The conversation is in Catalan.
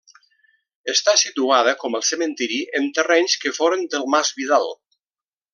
Està situada, com el cementiri, en terrenys que foren del mas Vidal.